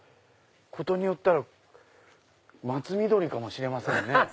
事によったら松美酉かもしれませんね。